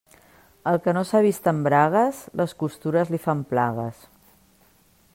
El que no s'ha vist en bragues, les costures li fan plagues.